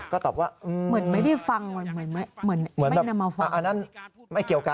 ก็ตอบว่าเหมือนไม่ได้ฟังอันนั้นไม่เกี่ยวกัน